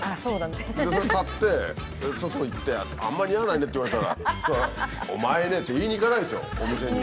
それ買って外行って「あんまり似合わないね」って言われたらそしたら「お前ね」って言いに行かないでしょお店に。